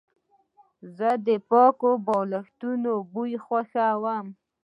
زه د پاکو بالښتونو بوی خوښوم.